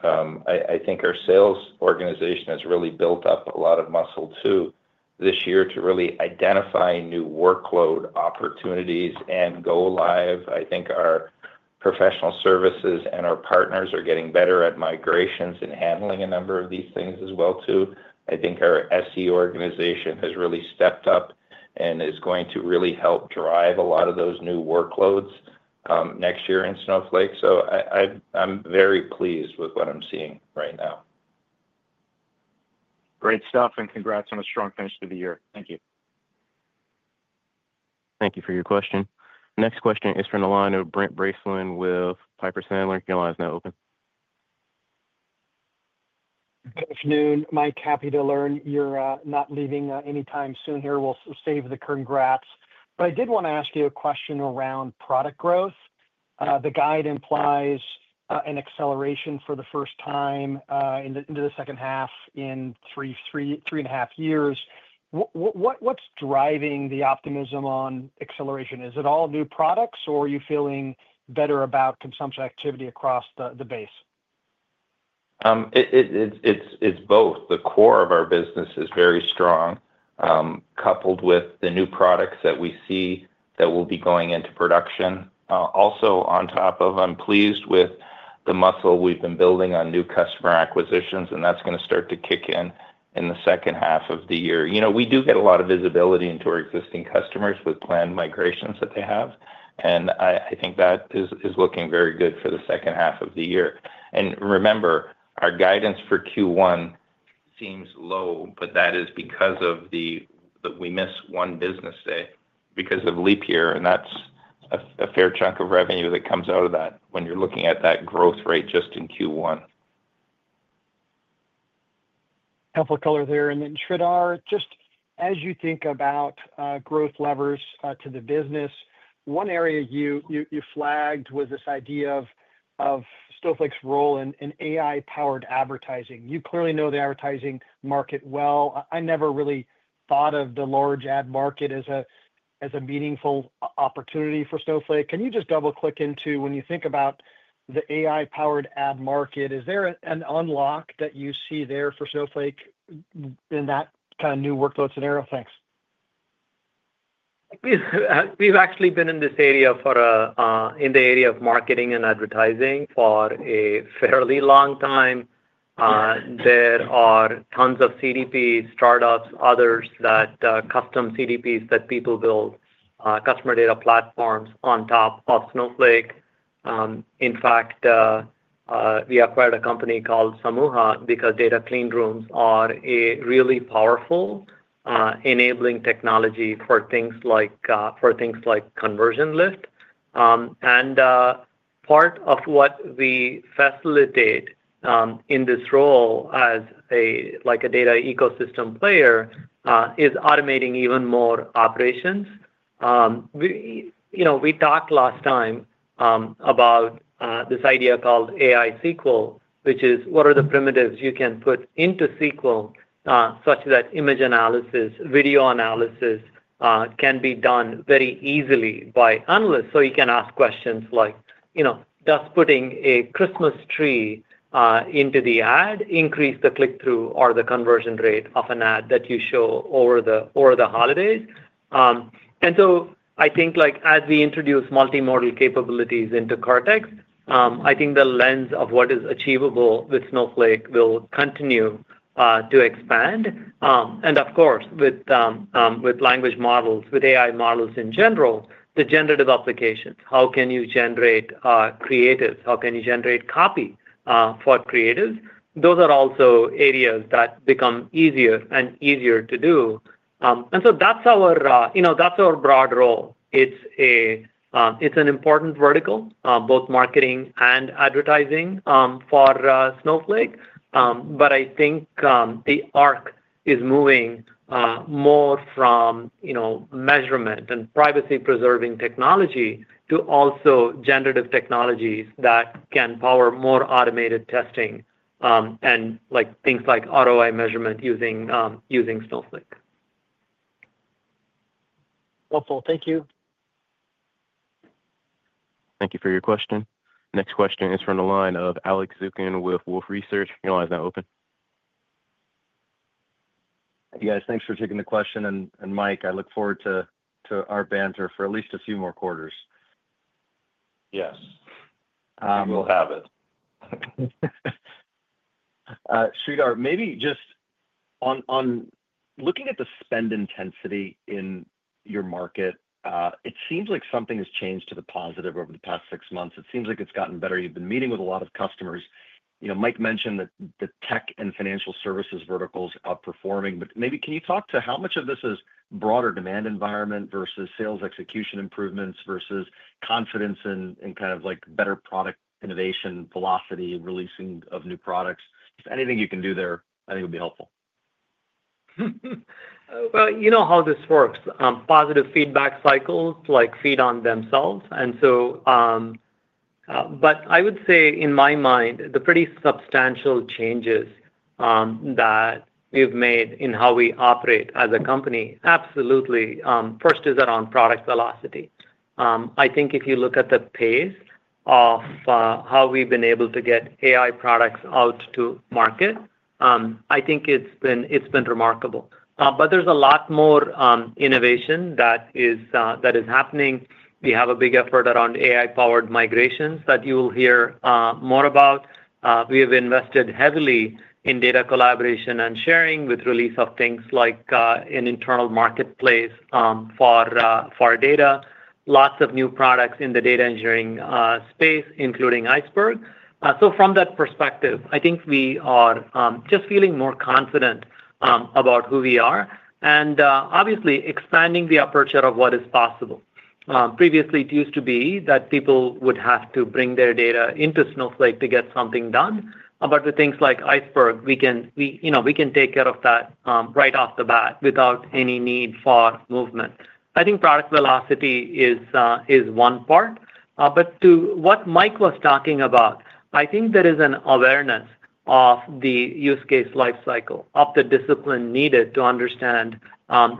I think our sales organization has really built up a lot of muscle too this year to really identify new workload opportunities and go live. I think our professional services and our partners are getting better at migrations and handling a number of these things as well too. I think our SE organization has really stepped up and is going to really help drive a lot of those new workloads next year in Snowflake. So I'm very pleased with what I'm seeing right now. Great stuff, and congrats on a strong finish to the year. Thank you. Thank you for your question. Next question is from the line of Brent Bracelin with Piper Sandler. Your line is now open Good afternoon. Mike, happy to learn you're not leaving anytime soon here. We'll save the congrats, but I did want to ask you a question around product growth. The guide implies an acceleration for the first time into the second half in three and a half years. What's driving the optimism on acceleration? Is it all new products, or are you feeling better about consumption activity across the base? It's both. The core of our business is very strong, coupled with the new products that we see that will be going into production. Also, on top of, I'm pleased with the muscle we've been building on new customer acquisitions, and that's going to start to kick in in the second half of the year. We do get a lot of visibility into our existing customers with planned migrations that they have. I think that is looking very good for the second half of the year. Remember, our guidance for Q1 seems low, but that is because we miss one business day because of leap year, and that's a fair chunk of revenue that comes out of that when you're looking at that growth rate just in Q1. Helpful color there. Sridhar, just as you think about growth levers to the business, one area you flagged was this idea of Snowflake's role in AI-powered advertising. You clearly know the advertising market well. I never really thought of the large ad market as a meaningful opportunity for Snowflake. Can you just double-click into when you think about the AI-powered ad market? Is there an unlock that you see there for Snowflake in that kind of new workload scenario? Thanks. We've actually been in this area of marketing and advertising for a fairly long time. There are tons of CDPs, startups, others, custom CDPs that people build, customer data platforms on top of Snowflake. In fact, we acquired a company called Samooha because data cleanrooms are a really powerful enabling technology for things like conversion lift. Part of what we facilitate in this role as a data ecosystem player is automating even more operations. We talked last time about this idea called AI SQL, which is what are the primitives you can put into SQL such that image analysis, video analysis can be done very easily by analysts. So you can ask questions like, "Does putting a Christmas tree into the ad increase the click-through or the conversion rate of an ad that you show over the holidays?" And so I think as we introduce multimodal capabilities into Cortex, I think the lens of what is achievable with Snowflake will continue to expand. And of course, with language models, with AI models in general, the generative applications, how can you generate creatives? How can you generate copy for creatives? Those are also areas that become easier and easier to do. And so that's our broad role. It's an important vertical, both marketing and advertising for Snowflake. But I think the arc is moving more from measurement and privacy-preserving technology to also generative technologies that can power more automated testing and things like ROI measurement using Snowflake. Helpful. Thank you. Thank you for your question. Next question is from the line of Alex Zukin with Wolfe Research. Your line is now open? Hey, guys. Thanks for taking the question. And Mike, I look forward to our banter for at least a few more quarters. Yes. We will have it. Sridhar, maybe just on looking at the spend intensity in your market, it seems like something has changed to the positive over the past six months. It seems like it's gotten better. You've been meeting with a lot of customers. Mike mentioned that the tech and financial services verticals are outperforming. But maybe can you talk to how much of this is broader demand environment versus sales execution improvements versus confidence in kind of better product innovation, velocity, releasing of new products? If anything you can do there, I think it would be helpful. Well, you know how this works. Positive feedback cycles feed on themselves. And so, but I would say in my mind, the pretty substantial changes that we've made in how we operate as a company, absolutely. First is around product velocity. I think if you look at the pace of how we've been able to get AI products out to market, I think it's been remarkable. But there's a lot more innovation that is happening. We have a big effort around AI-powered migrations that you will hear more about. We have invested heavily in data collaboration and sharing with release of things like an internal marketplace for data, lots of new products in the data engineering space, including Iceberg. So from that perspective, I think we are just feeling more confident about who we are and obviously expanding the aperture of what is possible. Previously, it used to be that people would have to bring their data into Snowflake to get something done. But with things like Iceberg, we can take care of that right off the bat without any need for movement. I think product velocity is one part. But to what Mike was talking about, I think there is an awareness of the use case lifecycle, of the discipline needed to understand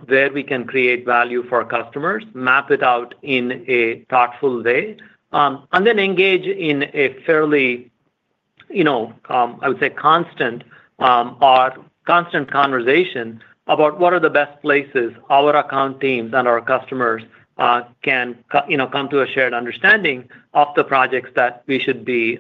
where we can create value for customers, map it out in a thoughtful way, and then engage in a fairly, I would say, constant conversation about what are the best places our account teams and our customers can come to a shared understanding of the projects that we should be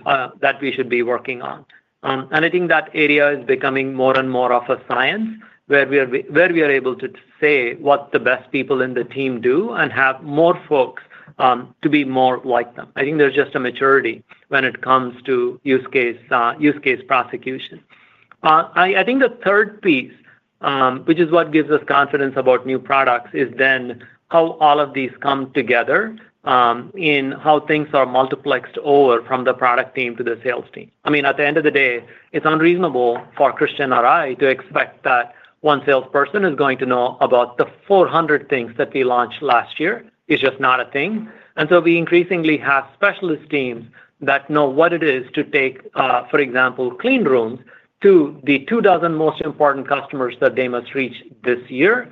working on. And I think that area is becoming more and more of a science, where we are able to say what the best people in the team do and have more folks to be more like them. I think there's just a maturity when it comes to use case prosecution. I think the third piece, which is what gives us confidence about new products, is then how all of these come together in how things are multiplexed over from the product team to the sales team. I mean, at the end of the day, it's unreasonable for Christian or I to expect that one salesperson is going to know about the 400 things that we launched last year. It's just not a thing. And so we increasingly have specialist teams that know what it is to take, for example, cleanrooms to the two dozen most important customers that they must reach this year,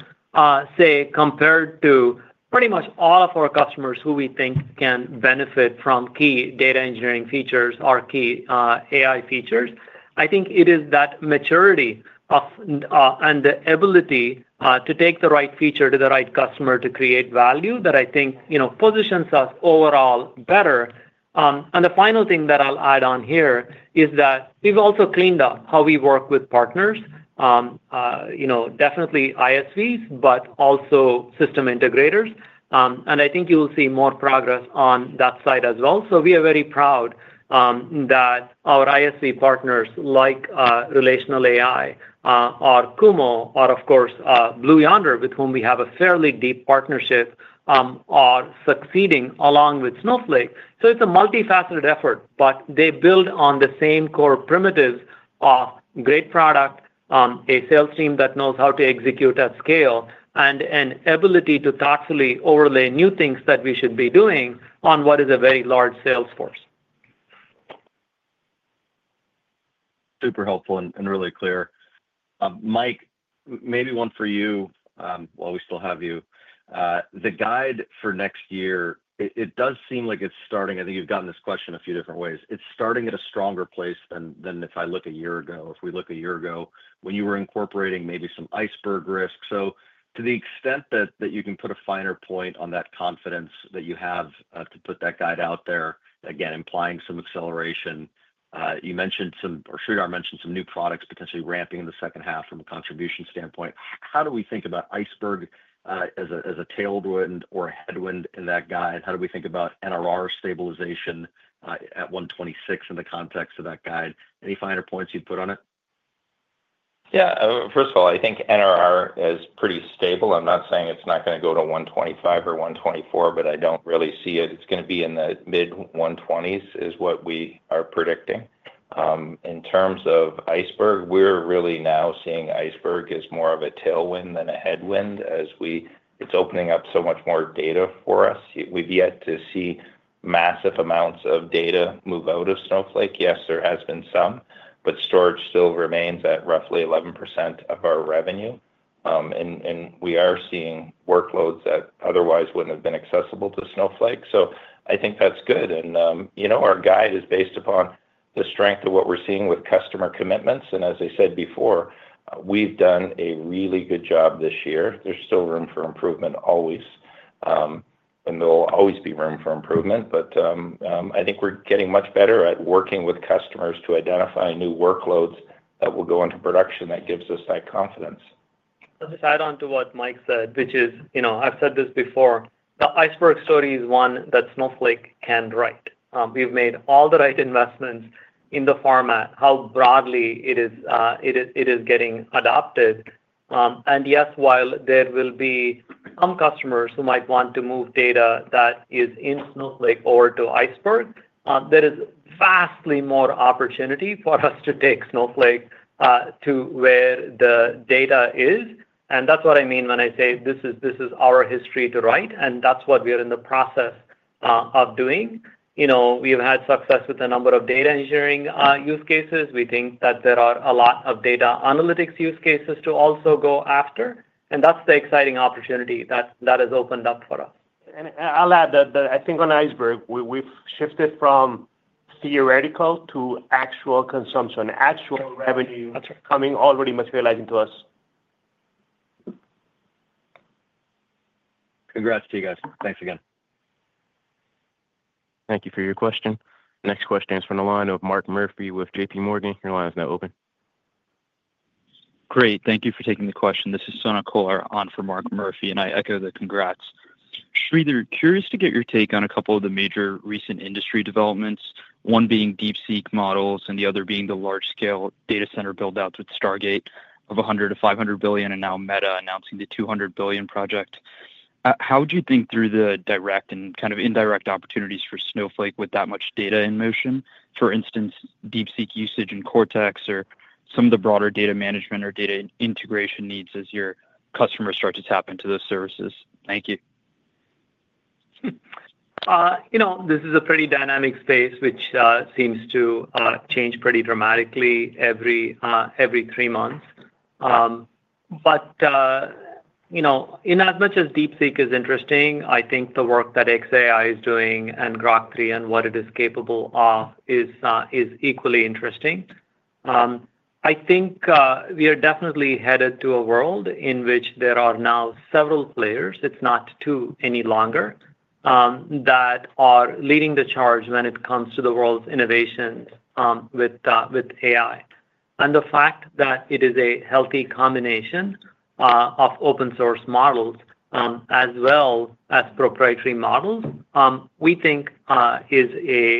say, compared to pretty much all of our customers who we think can benefit from key data engineering features or key AI features. I think it is that maturity and the ability to take the right feature to the right customer to create value that I think positions us overall better. And the final thing that I'll add on here is that we've also cleaned up how we work with partners, definitely ISVs, but also system integrators. And I think you will see more progress on that side as well. So we are very proud that our ISV partners like RelationalAI or Kumo or, of course, Blue Yonder, with whom we have a fairly deep partnership, are succeeding along with Snowflake. So it's a multifaceted effort, but they build on the same core primitives of great product, a sales team that knows how to execute at scale, and an ability to thoughtfully overlay new things that we should be doing on what is a very large sales force. Super helpful and really clear. Mike, maybe one for you. Well, we still have you. The guide for next year, it does seem like it's starting. I think you've gotten this question a few different ways. It's starting at a stronger place than if I look a year ago, if we look a year ago when you were incorporating maybe some Iceberg risk. So to the extent that you can put a finer point on that confidence that you have to put that guide out there, again, implying some acceleration, you mentioned some—or Sridhar mentioned some new products potentially ramping in the second half from a contribution standpoint. How do we think about Iceberg as a tailwind or headwind in that guide? How do we think about NRR stabilization at 126 in the context of that guide? Any finer points you'd put on it? Yeah. First of all, I think NRR is pretty stable. I'm not saying it's not going to go to 125 or 124, but I don't really see it. It's going to be in the mid-120s is what we are predicting. In terms of Iceberg, we're really now seeing Iceberg as more of a tailwind than a headwind as it's opening up so much more data for us. We've yet to see massive amounts of data move out of Snowflake. Yes, there has been some, but storage still remains at roughly 11% of our revenue, and we are seeing workloads that otherwise wouldn't have been accessible to Snowflake, so I think that's good, and our guide is based upon the strength of what we're seeing with customer commitments, and as I said before, we've done a really good job this year. There's still room for improvement always, and there'll always be room for improvement, but I think we're getting much better at working with customers to identify new workloads that will go into production that gives us that confidence. I'll just add on to what Mike said, which is I've said this before. The Iceberg story is one that Snowflake can write. We've made all the right investments in the format, how broadly it is getting adopted. And yes, while there will be some customers who might want to move data that is in Snowflake over to Iceberg, there is vastly more opportunity for us to take Snowflake to where the data is. And that's what I mean when I say this is our history to write, and that's what we are in the process of doing. We have had success with a number of data engineering use cases. We think that there are a lot of data analytics use cases to also go after. And that's the exciting opportunity that has opened up for us. And I'll add that I think on Iceberg, we've shifted from theoretical to actual consumption, actual revenue coming already materializing to us. Congrats to you guys. Thanks again. Thank you for your question. Next question is from the line of Mark Murphy with JPMorgan. Your line is now open. Great. Thank you for taking the question. This is Sonak Kolar on for Mark Murphy, and I echo the congrats. Sridhar, curious to get your take on a couple of the major recent industry developments, one being DeepSeek models and the other being the large-scale data center buildouts with Stargate of $100-500 billion and now Meta announcing the $200 billion project. How would you think through the direct and kind of indirect opportunities for Snowflake with that much data in motion? For instance, DeepSeek usage and Cortex or some of the broader data management or data integration needs as your customers start to tap into those services. Thank you. This is a pretty dynamic space, which seems to change pretty dramatically every three months. But inasmuch as DeepSeek is interesting, I think the work that xAI is doing and Grok 3 and what it is capable of is equally interesting. I think we are definitely headed to a world in which there are now several players, it's not two any longer, that are leading the charge when it comes to the world's innovations with AI. And the fact that it is a healthy combination of open-source models as well as proprietary models, we think is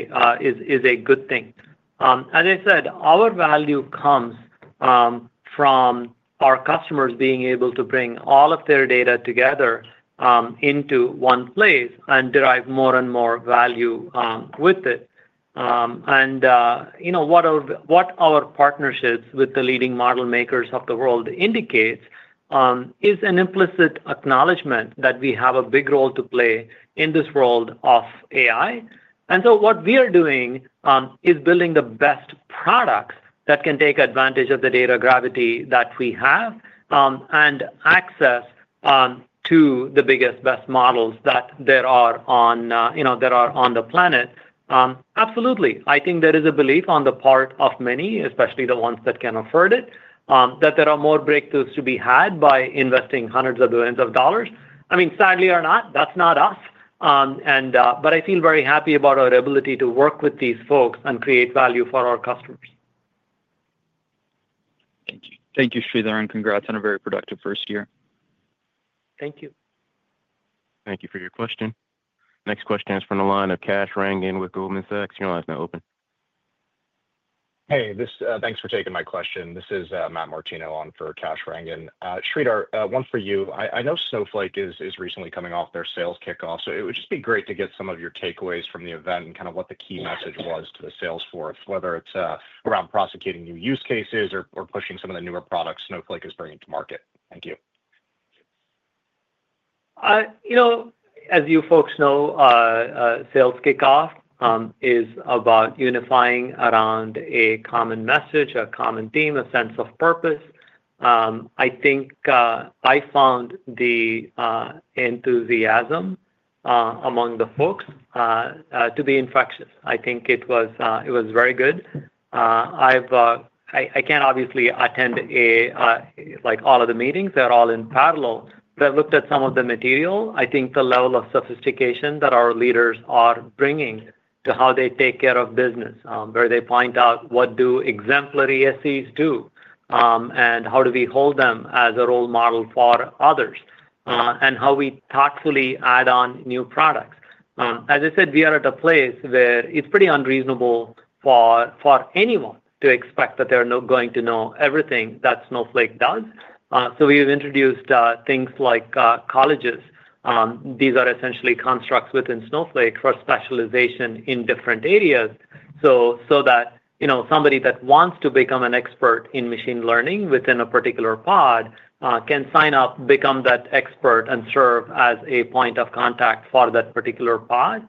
a good thing. As I said, our value comes from our customers being able to bring all of their data together into one place and derive more and more value with it. And what our partnerships with the leading model makers of the world indicate is an implicit acknowledgment that we have a big role to play in this world of AI. And so what we are doing is building the best products that can take advantage of the data gravity that we have and access to the biggest, best models that there are on that are on the planet. Absolutely. I think there is a belief on the part of many, especially the ones that can afford it, that there are more breakthroughs to be had by investing hundreds of billions of dollars. I mean, sadly or not, that's not us. But I feel very happy about our ability to work with these folks and create value for our customers. Thank you. Thank you, Sridhar, and congrats on a very productive first year. Thank you. Thank you for your question. Next question is from the line of Kash Rangan with Goldman Sachs. Your line is now open. Hey, thanks for taking my question. This is Matt Martino on for Kash Rangan. Sridhar, one for you. I know Snowflake is recently coming off their sales kickoff, so it would just be great to get some of your takeaways from the event and kind of what the key message was to the sales force, whether it's around prosecuting new use cases or pushing some of the newer products Snowflake is bringing to market. Thank you. As you folks know, sales kickoff is about unifying around a common message, a common theme, a sense of purpose. I think I found the enthusiasm among the folks to be infectious. I think it was very good. I can't obviously attend all of the meetings. They're all in parallel. But I've looked at some of the material. I think the level of sophistication that our leaders are bringing to how they take care of business, where they point out what exemplary SEs do, and how we hold them as a role model for others, and how we thoughtfully add on new products. As I said, we are at a place where it's pretty unreasonable for anyone to expect that they're going to know everything that Snowflake does. So we have introduced things like colleges. These are essentially constructs within Snowflake for specialization in different areas so that somebody that wants to become an expert in machine learning within a particular pod can sign up, become that expert, and serve as a point of contact for that particular pod.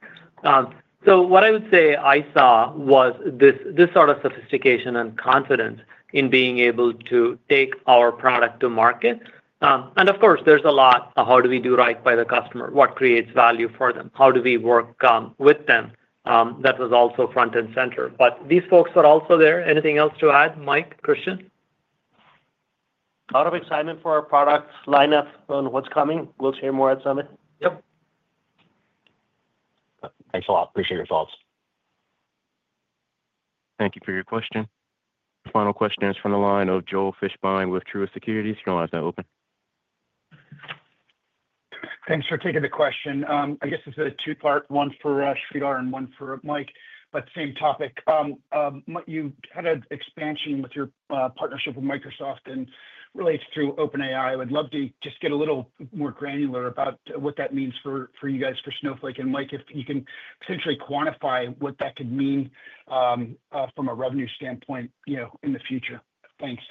So what I would say I saw was this sort of sophistication and confidence in being able to take our product to market. Of course, there's a lot of how do we do right by the customer, what creates value for them, how do we work with them. That was also front and center. But these folks are also there. Anything else to add, Mike, Christian? A lot of excitement for our product lineup on what's coming. We'll share more at the summit. Yep. Thanks a lot. Appreciate your thoughts. Thank you for your question. Final question is from the line of Joel Fishbein with Truist Securities. Your line is now open. Thanks for taking the question. I guess this is a two-part one for Sridhar and one for Mike, but same topic. You had an expansion with your partnership with Microsoft and relates through OpenAI. I would love to just get a little more granular about what that means for you guys, for Snowflake. And Mike, if you can potentially quantify what that could mean from a revenue standpoint in the future? Thanks.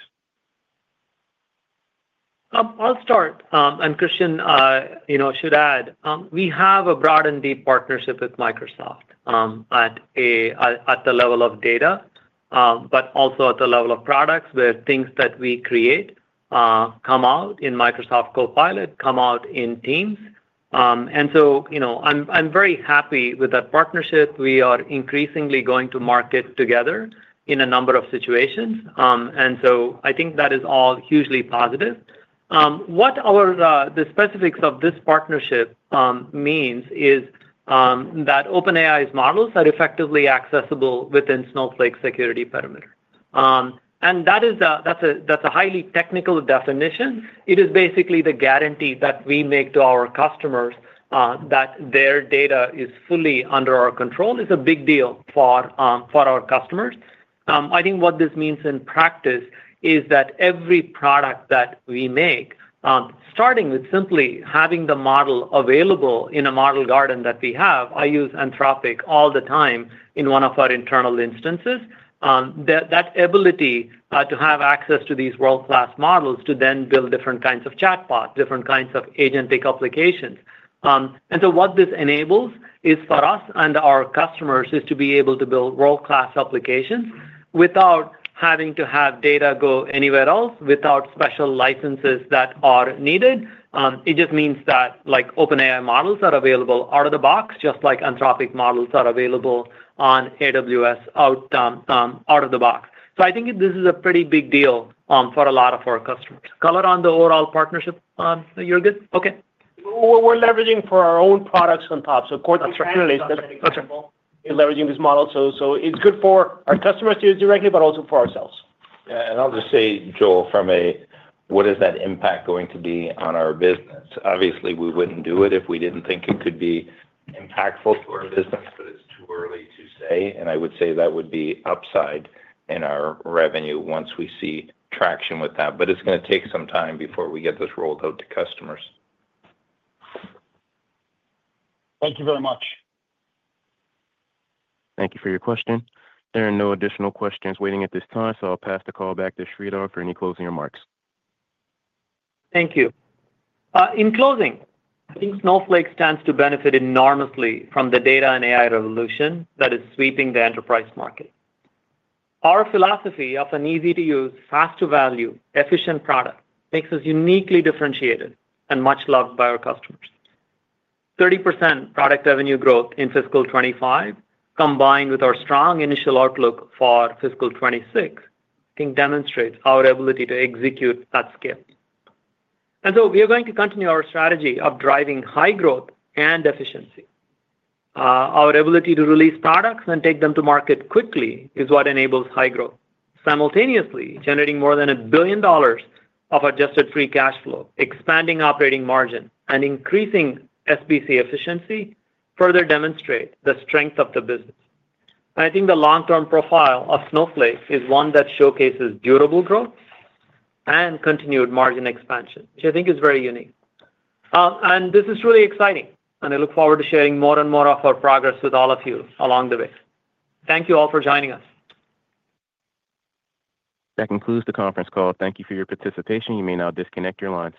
I'll start. And Christian, I should add, we have a broad and deep partnership with Microsoft at the level of data, but also at the level of products where things that we create come out in Microsoft Copilot, come out in Teams. And so I'm very happy with that partnership. We are increasingly going to market together in a number of situations. And so I think that is all hugely positive. What the specifics of this partnership means is that OpenAI's models are effectively accessible within Snowflake security perimeter. And that's a highly technical definition. It is basically the guarantee that we make to our customers that their data is fully under our control, is a big deal for our customers. I think what this means in practice is that every product that we make, starting with simply having the model available in a model garden that we have—I use Anthropic all the time in one of our internal instances—that ability to have access to these world-class models to then build different kinds of chatbots, different kinds of agentic applications, and so what this enables is for us and our customers to be able to build world-class applications without having to have data go anywhere else, without special licenses that are needed. It just means that OpenAI models are available out of the box, just like Anthropic models are available on AWS out of the box, so I think this is a pretty big deal for a lot of our customers. Color on the overall partnership, Christian? Okay. We're leveraging for our own products on top. So Cortex really is leveraging these models. So it's good for our customers to use directly, but also for ourselves. Yeah. And I'll just say, Joel, from a what is that impact going to be on our business? Obviously, we wouldn't do it if we didn't think it could be impactful to our business, but it's too early to say. And I would say that would be upside in our revenue once we see traction with that. But it's going to take some time before we get this rolled out to customers. Thank you very much. Thank you for your question. There are no additional questions waiting at this time, so I'll pass the call back to Sridhar for any closing remarks. Thank you. In closing, I think Snowflake stands to benefit enormously from the data and AI revolution that is sweeping the enterprise market. Our philosophy of an easy-to-use, fast-to-value, efficient product makes us uniquely differentiated and much loved by our customers. 30% product revenue growth in fiscal 2025, combined with our strong initial outlook for fiscal 2026, I think demonstrates our ability to execute at scale. And so we are going to continue our strategy of driving high growth and efficiency. Our ability to release products and take them to market quickly is what enables high growth. Simultaneously, generating more than $1 billion of adjusted free cash flow, expanding operating margin, and increasing SBC efficiency further demonstrates the strength of the business. I think the long-term profile of Snowflake is one that showcases durable growth and continued margin expansion, which I think is very unique. And this is truly exciting, and I look forward to sharing more and more of our progress with all of you along the way. Thank you all for joining us. That concludes the conference call. Thank you for your participation. You may now disconnect your lines.